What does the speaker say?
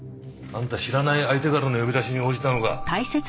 あんた知らない相手からの呼び出しに応じたのか？